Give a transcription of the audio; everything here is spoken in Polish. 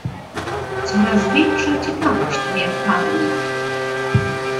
"Coraz większa ciekawość mię pali!"